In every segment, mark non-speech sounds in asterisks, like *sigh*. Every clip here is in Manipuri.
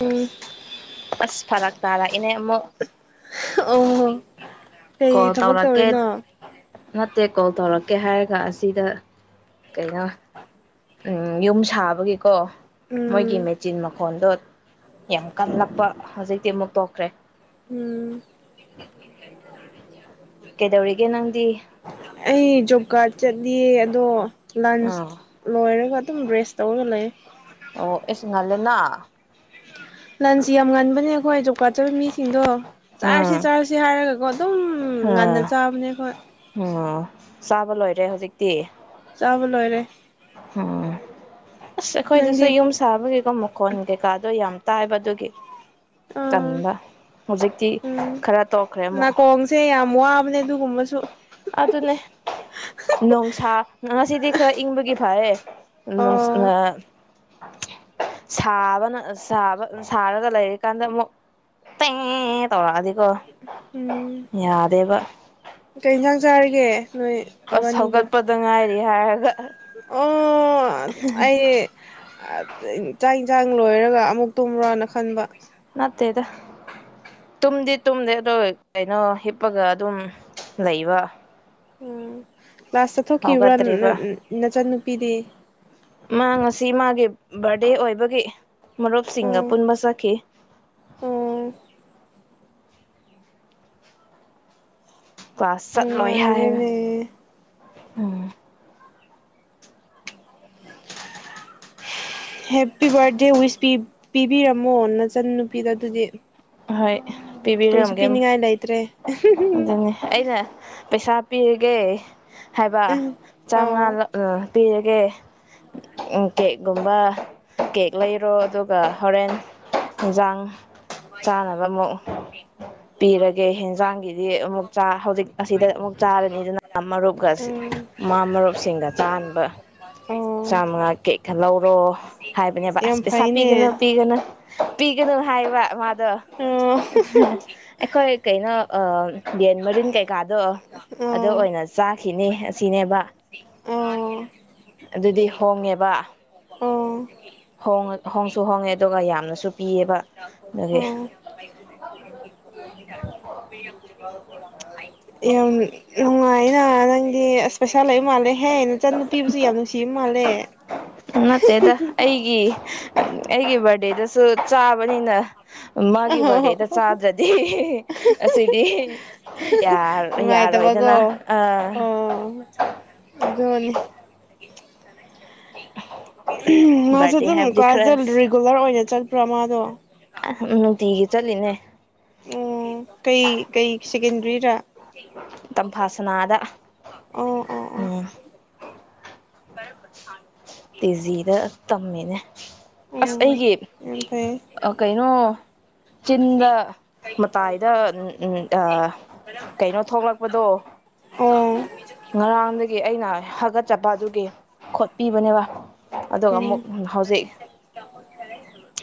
ꯎꯝ ꯑꯁ ꯐꯔꯛ ꯇꯥꯔꯦ ꯏꯅꯦ ꯑꯃꯨꯛ ꯑꯣ ꯀꯩ ꯊꯕꯛ ꯇꯧꯔꯤꯅꯣ ꯇꯦꯛ ꯀꯣꯜ ꯇꯧꯔꯛꯀꯦ ꯍꯥꯏꯔꯒ ꯑꯁꯤꯗ ꯀꯩꯅꯣ ꯎꯝ ꯌꯨꯝ ꯁꯥꯕꯒꯤꯀꯣ ꯎꯝ ꯃꯣꯏꯒꯤꯃꯩ ꯆꯤꯟ ꯃꯈꯣꯟꯗꯣ ꯌꯥꯝ ꯀꯞꯂꯛꯄ ꯍꯧꯖꯤꯛꯇꯤ ꯑꯃꯨꯛ ꯇꯣꯛꯈ꯭ꯔꯦ ꯎꯝ ꯀꯩꯗꯧꯔꯤꯒꯦ ꯅꯪꯗꯤ ꯑꯩ ꯖꯣꯕ ꯀꯥꯔꯗ ꯆꯠꯂꯤꯌꯦ ꯑꯗꯣ ꯂꯟꯁ ꯑꯥ ꯂꯣꯏꯔꯒ ꯑꯗꯨꯝ ꯔꯦꯁ ꯇꯧꯔꯒ ꯂꯩ ꯑꯣ ꯏꯁ ꯉꯜꯂꯦꯅ ꯂꯟꯁꯤ ꯌꯥꯝ ꯉꯟꯕꯅꯦ ꯑꯩꯈꯣꯏ ꯑꯗꯨꯝ ꯀꯋꯥꯇꯔ ꯃꯤꯁꯤꯡꯗꯣ ꯎꯝ ꯆꯥꯔꯁꯤ ꯆꯥꯔꯁꯤ ꯍꯥꯏꯔꯒꯀꯣ ꯑꯗꯨꯝ ꯉꯟꯅ ꯑꯥ ꯆꯥꯕꯅꯦ ꯈꯣꯏ ꯎꯝ ꯆꯥꯕ ꯂꯣꯏꯔꯦ ꯍꯧꯖꯤꯛꯇꯤ ꯆꯥꯕ ꯂꯣꯏꯔꯦ ꯎꯝ ꯑꯁ ꯑꯩꯈꯣꯏꯗꯁꯨ ꯅꯪꯗꯤ ꯌꯨꯝ ꯁꯥꯕ ꯀꯩꯀꯥ ꯃꯈꯣꯟ ꯀꯩꯀꯥꯗꯣ ꯌꯥꯝ ꯇꯥꯏꯕꯗꯨꯒꯤ ꯑ ꯎꯝ ꯈꯔ ꯇꯣꯛꯈ꯭ꯔꯦ ꯑꯃꯨꯛ ꯅꯥꯀꯣꯡꯁꯦ ꯌꯥꯝ ꯋꯥꯕꯅꯦ ꯑꯗꯨꯨꯝ ꯁꯨ ꯑꯗꯨꯅꯦ ꯅꯣꯡꯁꯥ ꯉꯁꯤꯗꯤ ꯈꯔ ꯏꯪꯕꯒꯤ ꯐꯔꯦ ꯎ ꯑꯣ ꯑ ꯁꯥꯕꯅ ꯁꯥꯕ ꯁꯥꯔꯒ ꯂꯩꯔꯤꯀꯥꯟꯗ ꯑꯃꯨꯛ ꯇꯦ ꯇꯧꯔꯛꯑꯅꯤꯀꯣ ꯎꯝ ꯌꯥꯗꯦꯕ ꯀꯩ ꯌꯦꯟꯁꯥꯡ ꯆꯥꯔꯒꯦ ꯅꯣꯏ ꯑꯁ ꯅꯕꯥꯅꯤꯗ ꯍꯧꯒꯠꯄꯗ ꯉꯥꯏꯔꯤ ꯍꯥꯏꯔꯒ ꯑꯣ ꯑꯩ ꯆꯥ ꯌꯦꯟꯁꯥꯡ ꯂꯣꯏꯔꯒ ꯑꯃꯨꯛ ꯇꯨꯝꯕꯔꯣꯅ ꯈꯟꯕ ꯅꯠꯇꯦꯗ ꯇꯨꯝꯗꯤ ꯇꯨꯝꯗꯦ ꯑꯗꯣ ꯀꯩꯅꯣ ꯍꯤꯞꯄꯒ ꯑꯗꯨꯝ ꯂꯩꯕ ꯎꯝ ꯀ꯭ꯂꯥꯁ ꯆꯠꯊꯣꯛꯈꯤꯕ꯭ꯔꯥ ꯍꯧꯒꯠꯇ꯭ꯔꯤꯕ ꯅꯆꯟꯅꯨꯄꯤꯗꯤ ꯃꯥ ꯉꯁꯤ ꯃꯥꯒꯤ ꯕꯥꯔꯗꯦ ꯑꯣꯏꯕꯒꯤ ꯃ ꯔꯣꯞ ꯁ ꯑꯣ ꯁꯤꯁꯤꯡꯒꯥꯄꯨꯔ ꯃ ꯆ ꯀꯦ ꯑꯣ ꯀ꯭ꯂꯥꯁ ꯆꯠꯂꯣꯏ ꯍꯥꯏꯕ ꯅꯨꯡꯉꯥꯏꯔꯦꯅꯦ ꯎꯝ ꯍꯦꯄꯤ ꯕꯥꯔꯠꯗꯦ ꯋꯤꯁ ꯄꯤꯕꯤꯔꯝꯃꯣ ꯅꯆꯟ ꯅꯨꯄꯤꯗꯣ ꯑꯗꯨꯗꯤ ꯍꯣꯏ ꯀꯔꯤꯁꯨ ꯄꯤꯕꯤꯔꯝꯒꯦ ꯄꯤꯅꯤꯡꯉꯥꯏ ꯂꯩꯇ꯭ꯔꯦ ꯑꯗꯨꯅꯤ ꯑꯩꯅ ꯄꯩꯁꯥ ꯄꯤꯔꯒꯦ ꯍꯥꯏꯕ ꯑꯣ ꯆꯥꯃꯉꯥ ꯄꯤꯔꯒꯦ ꯀꯦꯛꯒꯨꯝꯕ ꯀꯦꯛ ꯂꯩꯔꯣ ꯑꯗꯨꯒ ꯍꯣꯔꯦꯟ ꯌꯦꯟꯖꯥꯡ ꯆꯥꯅꯕ ꯑꯃꯨꯛ ꯄꯤꯔꯒꯦ ꯌꯦꯟꯖꯥꯡꯒꯤꯗꯤ ꯑꯃꯨꯛ ꯍꯧꯖꯤꯛ ꯑꯁꯤꯗ ꯑꯃꯨꯛ ꯆꯥꯔꯅꯤ ꯑꯗꯨꯅ ꯃꯔꯨꯞꯀ ꯎꯝ ꯃꯥꯥ ꯃꯔꯨꯞꯁꯤꯡꯒ ꯆꯥꯅꯕ ꯑꯣ ꯆꯥꯃꯉꯥ ꯀꯦꯛꯀ ꯂꯧꯔꯣ ꯍꯥꯏꯕꯅꯦꯕ ꯌꯥꯝ ꯑꯁ ꯄꯩꯁꯥ ꯐꯩꯅꯦ ꯄꯤꯒꯅ ꯄꯤꯒꯅ ꯄꯤꯒꯅ ꯍꯥꯏꯕ ꯃꯥ ꯑꯗ ꯑꯣ ꯑꯩꯈꯣꯏ ꯀꯩꯅꯣ ꯑ ꯦꯟ ꯃꯔꯤꯟ ꯀꯩꯀꯥꯗꯣ ꯑꯗꯨꯗ ꯌꯥꯝ ꯑꯣꯏꯅ ꯆꯥꯈꯤꯅꯤ ꯑꯁꯤꯅꯦꯕ ꯑꯗꯨꯗꯤ ꯍꯣꯡꯉꯦꯕ ꯑꯣ ꯍꯣꯡꯉ ꯍꯣꯡꯁꯨ ꯍꯣꯡꯉꯦ ꯑꯗꯨꯒ ꯌꯥꯝꯅꯁꯨ ꯄꯤꯌꯦꯕ ꯑꯗꯨꯒꯤ ꯌꯥꯝ ꯅꯨꯡꯉꯥꯏꯅ ꯅꯪꯒꯤ ꯏꯁꯄꯦꯁꯜ ꯂꯩ ꯃꯥꯜꯂꯦ ꯍꯦ ꯅꯨꯆ ꯅꯨꯄꯤꯕꯨꯁꯨ ꯌꯥꯝ ꯅꯨꯡꯁꯤꯕ ꯃꯥꯜꯂꯦ ꯅꯠꯇꯦꯗ ꯑꯩꯒꯤ ꯑꯩꯒꯤ ꯕꯥꯔꯗꯦ ꯑꯗꯨꯗꯩꯗꯁꯨ ꯆꯥꯕꯅꯤꯅ ꯃꯥꯒꯤ ꯕꯥꯔꯗꯦꯗ ꯆꯥꯗ꯭ꯔꯗꯤ ꯑꯁꯤꯗꯤ ꯌꯥꯔꯣꯏꯗꯅ ꯅꯨꯡꯉꯥꯏꯇꯕꯀꯣ ꯑ ꯑꯣ ꯑꯗꯨꯅꯤ ꯃꯥꯁꯨ ꯕꯥꯔꯗꯦ ꯑꯗꯨꯝ ꯍꯥꯏꯕꯗꯤ ꯈꯔ ꯀ꯭ꯂꯥꯁꯇ ꯔꯤꯒꯨꯂꯔ ꯑꯣꯏꯅ ꯆꯪ ꯄ꯭ꯔꯃꯥꯗ ꯎꯗꯤꯒꯤ ꯆꯠꯂꯤꯅꯦ ꯑꯣ ꯀꯩ ꯀꯩ ꯁꯦꯀꯦꯟꯗꯔꯤꯗ ꯇꯝꯐꯥꯥꯁꯅꯥꯗ ꯑꯣ ꯎꯝ ꯀꯔꯦꯄ ꯊ ꯇꯤꯖꯤꯗ ꯇꯝꯃꯤꯅꯦ ꯎꯝ ꯑꯁ ꯌꯥꯝ ꯑꯩꯒꯤ ꯐꯩꯌꯦ ꯀꯩꯅꯣ ꯆꯤꯟꯗ ꯃꯇꯥꯏꯗ ꯀꯩꯅꯣ ꯊꯣꯛꯂꯛꯄꯗꯣ ꯑꯣ ꯉꯔꯥꯡꯗꯒꯤ ꯑꯩꯅꯒꯠ ꯆꯠꯄꯗꯨꯒꯤ ꯈꯨꯠ ꯄꯤꯕꯅꯦꯕ ꯎꯝ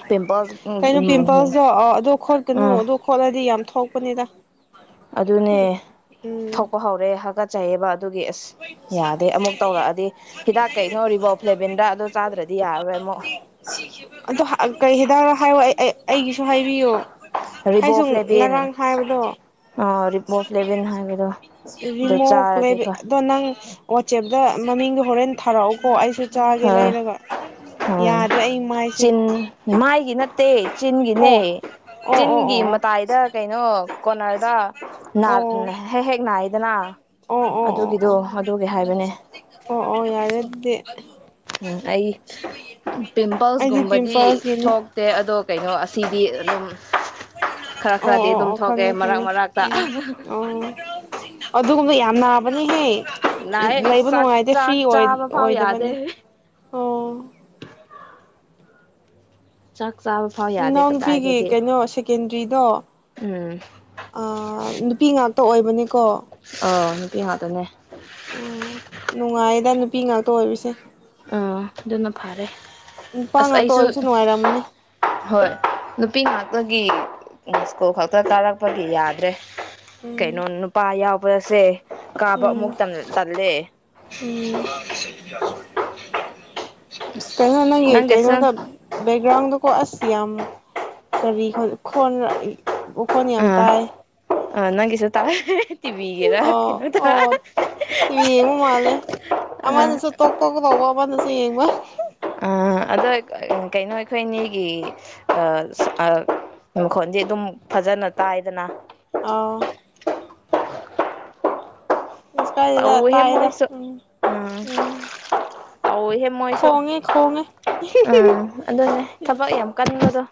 ꯄꯤꯝꯄꯜꯁ ꯀꯩꯅꯩꯅꯣ ꯎꯝ ꯄꯤꯝꯄꯜꯁ ꯑꯗꯨ ꯈ ꯀꯩꯅꯣꯣ ꯈꯂꯗꯤ ꯌꯥꯝ ꯊꯣꯛꯄꯅꯤꯗ ꯑꯗꯨꯅꯦ ꯊꯣꯛꯄ ꯍꯧꯔꯦ ꯍꯥꯀꯠ ꯆꯥꯏꯌꯦꯕ ꯍꯤꯗꯥꯛ ꯀꯩꯅꯣ ꯔꯤꯕꯣ ꯐ꯭ꯂꯦꯕꯤꯟꯗ ꯑꯗꯣ ꯆꯥꯗ꯭ꯔꯗꯤ ꯌꯥꯔꯔꯣꯏ ꯑꯃꯨꯛ ꯀꯔꯤ ꯍꯗꯥꯛ ꯍꯥꯏ ꯑꯩ ꯑꯩꯒꯤꯁꯨ ꯍꯥꯏꯕꯤ ꯄꯌꯣ ꯔꯤꯕꯣꯐ ꯂꯦꯚꯦꯟ ꯑ ꯄꯣꯐ ꯂꯦꯚꯦꯟ ꯍꯥꯏꯕꯗꯣ ꯑꯗꯨꯣ ꯔꯤꯃꯣ ꯆꯥꯔꯗꯤ ꯀ꯭ꯂꯦꯕ ꯐꯩ ꯑꯗꯣ ꯅꯪ ꯋꯥꯆꯦꯞꯇ ꯃꯃꯤꯡꯗꯣ ꯍꯣꯔꯦꯟ ꯊꯥꯔꯛꯎꯀꯣ ꯑꯩꯁꯨ ꯆꯥꯒꯦ ꯂꯩꯔꯒ ꯍ ꯌꯥꯗ꯭ꯔꯦ ꯑꯩ ꯃꯥꯏꯁꯦ ꯆꯤꯟ ꯃꯥꯏꯒꯤ ꯅ ꯇꯦ ꯆꯤꯟꯒꯤꯅꯦ ꯑꯣ ꯑꯣ ꯑꯣ ꯆꯤꯟꯒꯤ ꯑꯣ ꯑꯣ ꯃꯇꯥꯏꯗ ꯀꯩꯅꯣ ꯀꯅꯔꯗꯥꯅꯥ ꯍꯦꯛ ꯍꯦꯛꯅꯥ ꯑꯗꯨꯗꯅꯥ ꯑꯣ ꯑꯣ ꯑꯣ ꯑꯣ ꯑꯣ ꯑꯣ ꯌꯥꯔꯦ ꯑꯗꯨꯗꯤ ꯎꯝ ꯑꯩ ꯑꯩꯗꯤ ꯄꯤꯝꯄꯜꯁꯀꯨꯝꯕꯗꯤ ꯄꯤꯝꯄꯜꯁꯀꯤꯅꯤ ꯊꯣꯛꯇꯦ ꯑꯗꯣ ꯀꯩꯅꯣ ꯑꯁꯤꯗꯤ ꯑꯗꯨꯝ ꯈꯔ ꯑꯣ ꯈꯔꯗꯤ ꯑꯣ ꯑꯗꯨꯝ ꯑꯣ ꯊꯣꯛꯑꯦ ꯈꯅꯤ ꯃꯔꯛ ꯈꯅꯤꯦ ꯃꯔꯛꯇ ꯎꯝ ꯑꯣ ꯑꯗꯨꯒꯨꯝꯕ ꯌꯥꯝ ꯃꯥꯅꯥꯕ ꯍꯦ ꯅꯥꯏ ꯂꯩꯕ ꯆꯥꯛ ꯅꯨꯡꯉꯥꯏꯇꯦ ꯐ꯭ꯔꯤ ꯆꯥꯛ ꯆꯥꯕ ꯐꯥꯎ ꯌꯥꯗꯦ ꯑꯣꯏꯗꯕꯅꯦ ꯑꯣ ꯆꯥꯛ ꯆꯥꯕ ꯐꯥꯎ ꯌꯥꯗꯦ ꯅꯥꯎ ꯅꯨꯄꯤꯒꯤ ꯀꯗꯥꯏꯗꯒꯤ ꯀꯩꯅꯣ ꯁꯦꯀꯦꯟꯗ꯭ꯔꯤꯗꯣ ꯎꯝ ꯅꯨꯄꯤ ꯉ ꯇ ꯑꯣꯏꯕꯅꯤꯀꯣ ꯑꯣ ꯅꯨꯄꯤ ꯍꯥꯥꯛꯇꯅꯦ ꯎꯝ ꯅꯨꯡꯉꯥꯏꯗ ꯅꯨꯄꯤ ꯉꯥꯛꯇ ꯑꯣꯏꯔꯤꯁꯦ ꯑꯥ ꯑꯗꯨꯅ ꯐꯔꯦ ꯅꯨꯄꯥ ꯑꯁ ꯉꯥꯛꯇ ꯑꯩꯁꯨ ꯑꯣꯏꯕꯁꯨ ꯅꯨꯡꯉꯥꯏꯔꯝꯅꯤ ꯍꯣꯏ ꯅꯨꯄꯤ ꯉꯥꯛꯇ ꯒꯤ ꯁ꯭ꯀꯨꯜ ꯈꯛꯇ ꯀꯥꯔꯛꯄꯒꯤ ꯌꯥꯗ꯭ꯔꯦ ꯎꯝ ꯀꯩꯅꯣ ꯅꯨ ꯄꯥ ꯌꯥꯎ ꯁꯦ ꯀꯥꯕ ꯑꯃꯨꯛ ꯎꯝ ꯇꯜꯂꯦ ꯌꯥꯁ ꯀꯩꯅꯣ ꯅꯪꯒꯤ ꯅꯪꯒꯤꯁꯨ ꯀꯩꯅꯣꯗ ꯕꯦꯛꯒ꯭ꯔꯥꯎꯟꯗ ꯀꯣ ꯑꯁꯤ ꯌꯥꯝꯛ ꯀꯔꯤꯣꯟ ꯋꯥꯈꯣꯟ ꯌꯥꯝ ꯇꯥꯏ ꯑ ꯅꯪꯒꯤꯁꯨ ꯇꯥꯏ꯫ ꯇꯤꯕꯤꯒꯦꯔ ꯑꯣ ꯀꯩꯅꯣ ꯇ ꯑꯣ ꯇꯤꯚꯤ ꯌꯦꯡꯕ ꯃꯥꯜꯂꯦ ꯑ꯫ ꯌ‌ꯦꯡꯕ ꯍꯨꯝ꯫ ꯑꯥ ꯑꯗꯣ ꯀꯩꯅꯣ ꯑꯩꯈꯣꯏꯅꯤꯒꯤ ꯑꯥ ꯑꯥ ꯃꯈꯣꯜꯗꯤ ꯑꯗꯨꯝ ꯐꯖꯅ ꯇꯥꯏꯗꯅ꯫ ꯑꯧ꯫ ꯑꯁ ꯀꯥꯏꯗꯦꯗ ꯇꯧꯋ‌ꯦꯍꯦ ꯇꯥꯏꯌꯦꯗ ꯃꯣꯏꯁꯨ ꯎꯝ ꯎꯝ꯫ ꯎꯝ ꯇꯧꯋ‌ꯦꯍꯦ ꯃꯣꯏꯁꯨ ꯈꯣꯡꯉꯦ ꯈꯣꯡꯉꯦ ꯎꯝ ꯑꯗꯨꯅꯦ ꯊꯕꯛ ꯌꯥꯝ ꯀꯟꯕꯗꯣ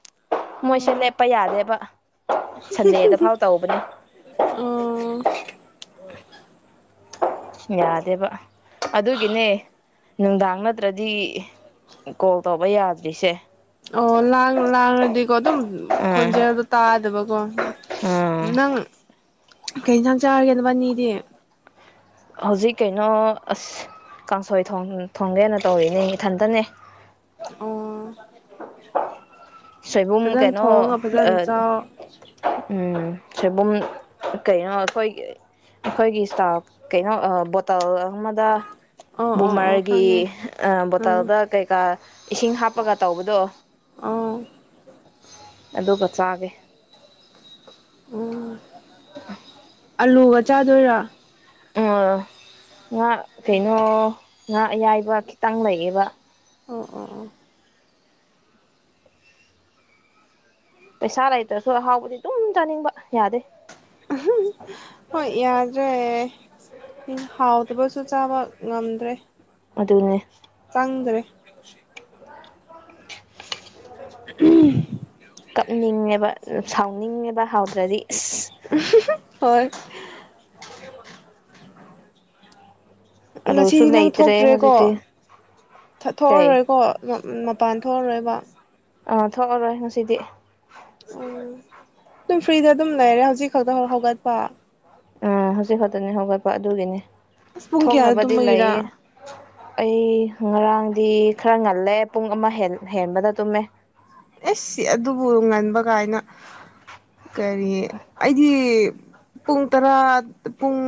ꯃꯣꯏꯁꯦ ꯎꯝ ꯂꯦꯞꯄ ꯌꯥꯗꯦꯕ ꯁꯟꯗꯦꯗ ꯐꯥꯎ ꯇꯧꯕꯅꯦ꯫ ꯎꯝ ꯌꯥꯗꯦꯕ꯫ ꯑꯗꯨꯒꯤꯅꯦ꯫ ꯅꯨꯡꯗꯥꯡ ꯅꯠꯇ꯭ꯔꯗꯤ ꯀꯣꯜ ꯇꯧꯕ ꯌꯥꯗ꯭ꯔꯤꯁꯦ꯫ ꯑꯣ ꯂꯥꯡ ꯂꯥꯡꯉꯗꯤꯀꯣ ꯑꯗꯨꯝ ꯎꯝ ꯈꯣꯟꯖꯦꯜꯗꯣ ꯇꯥꯗꯕ꯫ ꯀꫭ꯫ ꯎꯝ ꯅꯪ꯫ ꯀꯩ ꯏꯟꯁꯥꯡ ꯆꯥꯔꯒꯦꯅꯕꯥꯅꯤꯗꯤ꯫ ꯍꯧꯖꯤꯛ ꯀꯩꯅꯣ ꯑꯁ ꯀꯥꯡꯁꯣꯏ ꯊꯣꯡꯒꯦꯅ ꯇꯧꯔꯤꯅꯦ ꯏꯊꯟꯇꯅꯦ꯫ ꯑꯣ꯫ ꯫ ꯁꯣꯏꯕꯨꯝ ꯐꯖꯅ ꯀꯩꯅꯣ ꯊꯣꯡꯉ ꯐꯖꯅ ꯑ ꯆꯥꯎ ꯎꯝ꯫ ꯁꯣꯏꯕꯨꯝ ꯀꯩꯅꯣ ꯑꯩꯈꯣꯏꯒꯤ ꯑꯩꯈꯣꯏꯒꯤ ꯏꯁꯇꯥ ꯀꯩꯅꯣ ꯕꯣꯇꯜ ꯑꯃꯗ꯫ ꯑꯣ ꯑꯣ ꯑꯣ ꯕꯨꯃꯔꯒꯤ ꯈꯪꯉꯦ ꯎꯝ ꯕꯣꯇꯜꯗ ꯀꯩꯀꯥ ꯏꯁꯤꯡ ꯍꯥꯞꯄꯒ ꯇꯧꯕꯗꯣ꯫ ꯑꯣ ꯑꯗꯨꯒ ꯆꯥꯒꯦ꯫ ꯎꯝ꯫ ꯫ ꯑꯂꯨꯒ ꯆꯥꯗꯣꯏꯔ꯫ ꯎꯝ꯫ ꯉꯥ ꯀꯩꯅꯣ꯫ ꯉꯥ ꯑꯌꯥꯏꯕ ꯈꯤ꯫ ꯇꯪ ꯂꯩꯌꯦꯕ꯫ ꯑꯣ ꯑꯣ ꯑꯣ꯫ ꯄꯩꯁꯥ ꯂꯩꯇ꯭ꯔꯁꯨ ꯑꯍꯥꯎꯕꯗꯤ ꯑꯗꯨꯝ ꯆꯥꯅꯤꯡꯕ ꯌꯥꯗꯦ꯫ ꯍꯣꯏ ꯌꯥꯗ꯭ꯔꯦ ꯍꯥꯎꯇꯕꯁꯨ ꯆꯥꯕ ꯉꯝꯗ꯭ꯔꯦ꯫ ꯑꯗꯨꯅꯦ꯫ ꯎꯪꯗꯔ‌ꯦ꯫ ꯎꯝ꯫ ꯀꯞꯅꯤꯡꯉꯦꯕ ꯁꯥꯎꯅꯤꯡꯉꯦꯕ ꯍꯥꯎꯇ꯭ꯔꯗꯤ꯫ ꯍꯣꯏ꯫ ꯫ ꯑꯂꯨꯁꯨ ꯉꯁꯤꯗꯤ ꯅꯪ ꯂꯩꯇ꯭ꯔꯦ ꯊꯣꯛꯇ꯭ꯔꯦꯀꯣ ꯍꯧꯖꯤꯛꯇꯤ ꯀꯩ ꯊꯣꯛꯑꯔꯣꯏꯀꯣ꯫ ꯃꯄꯥꯟ ꯊꯣꯛꯑꯔꯣꯏꯕ ꯑꯥ ꯊꯣꯛꯑꯔꯣꯏ ꯉꯁꯤꯗꯤ ꯎꯝ ꯑꯗꯨꯝ ꯐ꯭ꯔꯤꯗ ꯑꯗꯨꯝ ꯂꯩꯔꯦ ꯍꯧꯖꯤꯛ ꯈꯛꯇ ꯍꯧꯒꯠꯄ ꯎꯝ ꯍꯧꯖꯤꯛ ꯈꯛꯇꯅꯤ ꯍꯧꯒꯠꯄ ꯑꯗꯨꯒꯤꯅꯤ ꯑꯁ ꯄꯨꯡ ꯀꯌꯥꯗ ꯊꯣꯛꯣꯡꯅꯕꯗꯤ ꯂꯩꯌꯦ ꯇꯨꯝꯕꯒꯤꯔꯥ ꯑꯩ ꯉꯔꯥꯡꯗꯤ ꯈꯔ ꯉꯜꯂꯦ ꯄꯨꯡ ꯑꯃ ꯍꯦꯟꯕꯗ ꯇꯨꯝꯃꯦ ꯑꯦꯁ ꯁꯤ ꯑꯗꯨꯕꯨ ꯉꯟꯕ ꯀꯥꯏꯅ ꯀꯔꯤ ꯑꯩꯗꯤ ꯄꯨꯡ ꯇꯔꯥ ꯄꯨꯡ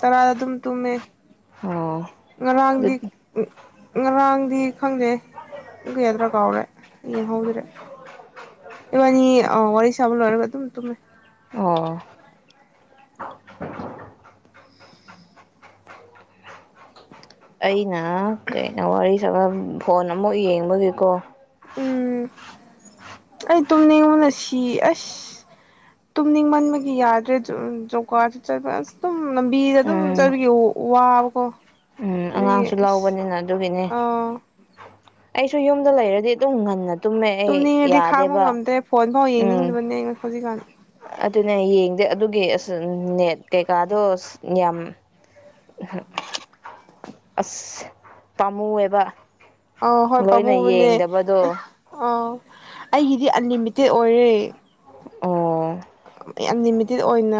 ꯇꯔꯥꯗ ꯑꯗꯨꯝ ꯇꯨꯝꯃꯦ ꯑꯣ ꯉꯔꯥꯡꯗꯤ ꯑꯗꯨꯗꯤ ꯉꯔꯥꯡꯗꯤ ꯈꯪꯗꯦ ꯎꯒꯦꯗ꯭ꯔꯥ ꯀꯥꯎꯔꯦ ꯌꯦ ꯍꯗ꯭ꯔꯦ ꯏꯕꯥꯅꯤ ꯋꯥꯔꯤ ꯋꯥꯔꯤꯁꯕꯨꯂ ꯑꯣꯏꯔ ꯀ ꯑꯗꯨ ꯇꯃꯦ ꯑꯣ ꯑꯩ ꯉ ꯀꯩꯅꯩꯅ ꯋꯥꯔꯤ ꯅꯠꯇꯒ ꯐꯣꯟ ꯑꯃꯨꯛ ꯌꯦꯡꯕꯒꯤꯀꯣ ꯎꯝ ꯑꯩ ꯇꯨꯝꯅꯤꯡꯅ ꯁꯤ ꯑꯁ ꯇꯨꯝꯅꯤꯡꯃꯟꯕꯒꯤ ꯌꯥꯗ꯭ꯔꯦ ꯖꯣꯒꯥꯁꯨ ꯆꯠ ꯑꯁ ꯑꯗꯨꯝ ꯂꯝꯕꯤꯗ ꯑꯗꯨꯝ ꯎꯝ ꯆꯠꯂꯒꯦ ꯋꯥꯕꯀꯣ ꯑꯗꯨꯒꯤ ꯑꯉꯥꯡꯁꯨ ꯑꯁ ꯂꯧꯕꯅꯤꯅ ꯑꯗꯨꯒꯤꯅꯦ ꯑꯥ ꯑꯩꯁꯨ ꯌꯨꯝꯗ ꯂꯩꯔꯗꯤ ꯑꯗꯨꯝ ꯉꯟꯅꯗ ꯇꯨꯝꯅꯤꯡꯉꯗꯤ ꯈꯥꯡꯕ ꯉꯝꯗ꯭ꯔꯦ ꯐꯣꯟ ꯐꯥꯎ ꯌꯦꯡꯅꯤꯡꯗꯕꯅꯦ ꯍꯧꯖꯤꯛꯀꯥꯟ ꯑꯗꯨꯅ ꯌꯦꯡꯗꯦ ꯑꯗꯨꯒꯤ ꯑꯁ ꯅꯦꯠ ꯀꯩꯀꯥꯗꯣ ꯑ ꯌꯥꯝ ꯑꯁ ꯄꯥꯝꯃꯨꯑꯦꯕ ꯑ ꯍꯣꯏ ꯄꯕ ꯂꯣꯏꯅ ꯃꯅꯦ ꯌꯦꯡꯗꯕꯗꯣ ꯑ ꯑꯩꯒꯤꯗꯤ ꯑꯟꯂꯤꯃꯤꯇꯦꯠ ꯑꯣꯏꯔꯦ ꯑꯣ ꯌꯥꯝ ꯂꯤꯃꯤꯇꯦꯠ ꯑꯣꯏꯅ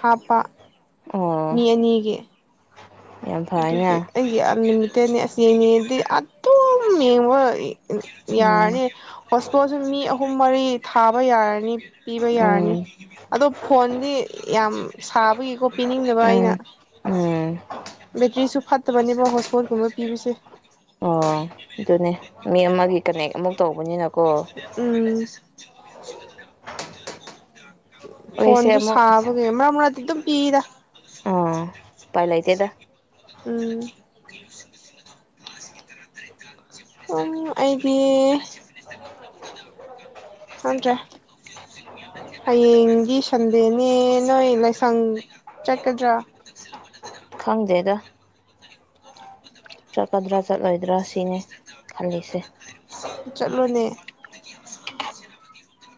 ꯍꯥꯞꯄ ꯑꯣ ꯃꯤ ꯑꯅꯤꯒꯤ ꯌꯥꯝ ꯐꯩꯅ ꯑꯗꯨ ꯦꯅꯤ ꯑꯁ ꯌꯦꯡꯉꯤꯗꯤ ꯑꯗꯨꯝ ꯌꯦꯡꯕ ꯎꯝ ꯌꯥꯔꯅꯤ ꯍꯣꯁꯄꯤꯇꯥꯣꯜꯁꯨ ꯃꯤ ꯑꯍꯨꯝ ꯃꯔꯤ ꯊꯥꯕ ꯌꯥꯔꯅꯤ ꯄꯤꯕ ꯌꯥꯔꯅꯤ ꯎꯝ ꯑꯗꯣ ꯐꯣꯟꯗꯤ ꯌꯥꯝ ꯁꯥꯕꯒꯤꯀꯣ ꯄꯤꯅꯤꯡꯗꯕ ꯑꯩꯅ ꯎꯝ ꯎꯝ ꯀꯔꯤꯁꯨ ꯐꯠꯇꯕꯅꯦꯕꯣ ꯍꯣꯁꯣꯔꯒꯨꯝꯕ ꯄꯤꯕꯤꯁꯦ ꯑꯣ ꯑꯗꯨꯅꯦ ꯃꯤ ꯑꯃꯒꯤ ꯀꯅꯦꯛ ꯑꯃꯨꯛ ꯇꯧꯕꯅꯤꯅꯀ ꯎꯝ ꯑꯩꯁꯦ ꯐꯣꯟꯁꯨ ꯑꯃꯨꯛ ꯆꯕꯒꯦ ꯃꯔ ꯑꯃ ꯔꯇ ꯑꯗꯨꯝ ꯄꯗ ꯑꯥ ꯄꯥꯏ ꯂꯩꯥꯛꯇꯦꯗ ꯎꯝ ꯑꯩꯗꯤ ꯊꯗ꯭ꯔꯦ ꯍꯌꯦꯡꯒꯤ ꯁꯟꯗꯦꯅꯦ ꯅꯣꯏ ꯂꯥꯏꯁꯪ ꯆꯠꯀꯗ꯭ꯔꯥ ꯈꯪꯗꯦꯗ ꯆꯠꯀꯗ꯭ꯔꯥ ꯆꯠꯂꯣꯏꯗ꯭ꯔꯥ ꯁꯤꯅꯦ ꯈꯜꯂꯤꯁꯦ ꯆꯠꯂꯣꯅꯦ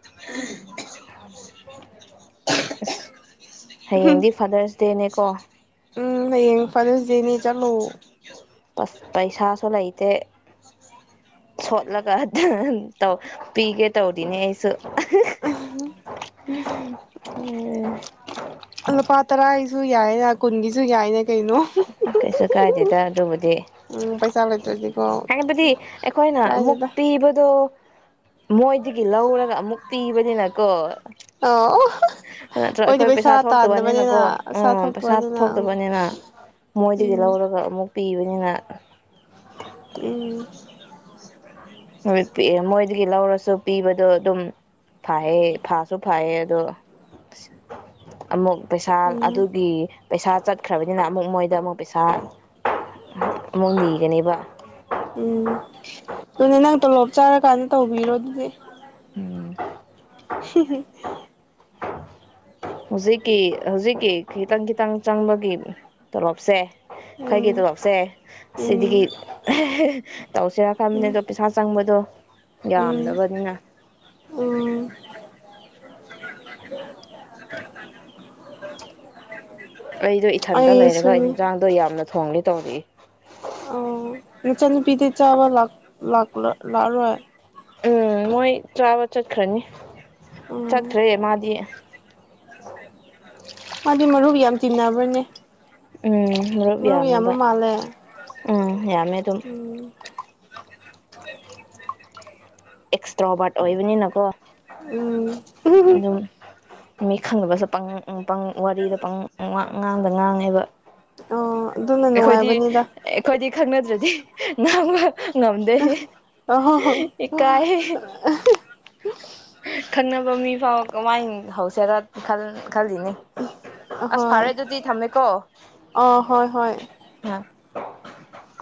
*unintelligible* ꯑꯁ ꯍꯌꯦꯡꯗꯤ ꯐꯥꯗꯔꯁ ꯇꯅꯦꯀꯣ ꯎꯝ ꯍꯌꯦꯡ ꯐꯥꯔꯨꯁꯗꯦꯅꯦ ꯆꯠꯂꯨ ꯑ ꯄꯩꯁꯥꯁꯨ ꯂꯩꯇꯦ ꯁꯣꯠꯂꯒ ꯇꯧ ꯄꯤꯒꯦ ꯇꯧꯗꯅꯦꯅꯤ ꯑꯩꯁꯨ ꯎ ꯂꯨꯄꯥ ꯇꯔꯥꯒꯤꯁꯨ ꯌꯥꯏꯅ ꯀꯨꯟꯒꯤꯁꯨ ꯌꯥꯏꯅꯦ ꯀꯩꯅꯣ ꯀꯩꯁꯨ ꯀꯥꯏꯗꯦꯗ ꯑꯗꯨꯕꯨꯗꯤ ꯎꯝ ꯄꯩꯁꯥ ꯂꯩꯇ꯭ꯔꯗꯤꯀꯣ ꯍꯥꯏꯕꯗꯤ ꯑꯩꯈꯣꯏꯅ ꯑꯃꯨꯛ ꯀꯥꯏꯗꯦꯗ ꯄꯤꯕꯗꯣ ꯃꯣꯏꯗꯒꯤ ꯂꯧꯔꯒ ꯑꯃꯨꯛ ꯇꯤꯕꯅꯤꯅꯀꯣ ꯑꯣ ꯃꯣꯏꯗꯤ ꯄꯩꯁꯥ ꯇꯥꯟꯗꯕꯅꯤꯅ ꯊꯣꯛꯇꯕꯅꯤꯅꯀꯣ ꯆꯥ ꯎꯝ ꯄꯩꯁꯥ ꯊꯣꯛꯄꯅꯤꯅ ꯑ ꯊꯣꯛꯇꯕꯅꯤꯅ ꯃꯣꯏꯗꯒꯤ ꯂꯧꯔꯒ ꯑꯃꯨꯛ ꯄꯤꯕꯅꯤꯅ ꯎꯝ ꯄ ꯃꯣꯏꯗꯒꯤ ꯂꯧꯔꯁꯨ ꯄꯤꯕꯗꯣ ꯑꯗꯨꯝ ꯐꯩꯌꯦ ꯐꯥꯁꯨ ꯐꯩꯌꯦ ꯑꯗꯣ ꯑꯃꯨꯛ ꯄꯩꯁꯥ ꯎꯝ ꯑꯗꯨꯒꯤ ꯄꯩꯁꯥ ꯆꯠꯈ꯭ꯔꯕꯅꯤꯅ ꯑꯃꯨꯛ ꯃꯣꯏꯗ ꯑꯃꯨꯛ ꯄꯩꯁꯥ ꯑꯃꯨꯛ ꯅꯤꯒꯅꯦꯕ ꯎꯝ ꯑꯗꯨꯅꯦ ꯅꯪ ꯇꯣꯂꯣꯞ ꯆꯥꯔꯀꯥꯟꯗ ꯇꯧꯕꯤꯔꯣ ꯑꯗꯨꯗꯤ ꯎꯝ *unintelligible* ꯍꯧꯖꯤꯛꯀꯤ ꯍꯧꯖꯤꯛꯀꯤ ꯈꯤꯇꯪ ꯈꯤꯇꯪ ꯆꯪꯕꯒꯤ ꯇꯣꯂꯣꯞꯁꯦ ꯑꯩꯣꯏꯒꯤ ꯎꯝ ꯇꯣꯂꯣꯞꯁꯦ ꯁꯤꯗꯒꯤ ꯎꯝ ꯇꯧꯁꯤꯦꯔꯈꯕꯃꯤꯅꯦ ꯎꯝ ꯑꯗꯣ ꯄꯩꯁꯥ ꯆꯪꯕꯗꯣ ꯎꯝ ꯌꯥꯝꯗꯕꯅꯤꯅ ꯆ *unintelligible* ꯑꯣ ꯑꯩꯗꯣ ꯏꯊꯟꯗ ꯂꯩꯔꯒ ꯏꯟꯖꯥꯡꯗꯣ ꯌꯥꯝꯅ ꯊꯣꯡꯅꯤ ꯇꯧꯔꯤ ꯑꯣ ꯅꯆꯅꯤ ꯄꯤꯊ ꯆꯥꯕ ꯂꯥꯛ ꯂꯥꯛꯂ ꯂꯥꯛꯔꯦ ꯎꯝ ꯃꯣꯏ ꯆꯥꯕ ꯆꯠꯈ꯭ꯔꯅꯤ ꯎꯝ ꯆꯠꯠꯇ꯭ꯔꯦ ꯃꯥꯗꯤ ꯃꯥꯗꯤ ꯃꯔꯨꯞ ꯌꯥꯝ ꯇꯤꯟꯅꯕ꯭ꯔꯅꯦ ꯎꯝ ꯃꯔꯨꯞ ꯌꯥꯝꯕ ꯌꯥꯝꯃꯦꯕ ꯃꯥꯜꯂꯦ ꯎꯝ ꯌꯥꯝꯃꯦ ꯑꯗꯨꯝ ꯎꯝ *unintelligible* ꯑꯦꯛꯁꯇ꯭ꯔꯣꯕꯥꯔꯠ ꯑꯣꯏꯕꯅꯤꯅꯀꯣ ꯎꯝ ꯑꯗꯨꯝ ꯃꯤ ꯈꯪꯗꯕꯁꯨ ꯄꯪ ꯄ ꯋꯥꯔꯤꯗ ꯄꯪ ꯑꯉꯥꯡꯕ ꯉꯥꯡꯉꯦꯕ ꯑꯣ ꯑꯗꯨꯅ ꯅꯨꯡꯉꯥꯏꯕꯅꯤꯗ ꯑꯗꯨꯗꯤ ꯅꯃ ꯉꯥꯎꯗ ꯑꯍꯣ ꯍꯣ ꯍꯦ ꯀꯥꯏ ꯈꯟ ꯃꯤ ꯐꯥꯎꯕ ꯋꯥ ꯍꯧꯁꯦꯔ ꯈꯜ ꯈꯜꯂꯤꯜꯂꯤꯅꯦ ꯑꯁ ꯑꯍꯣꯏ ꯐꯔꯦ ꯑꯗꯨꯗꯤ ꯊꯝꯃꯦꯀꯣ ꯑ ꯍꯣꯏ ꯍꯣꯏ ꯎꯝ *unintelligible*